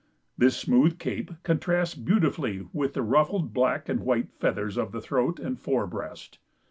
This smooth cape contrasts beautifully with the ruffled black and white feathers of the throat and fore breast.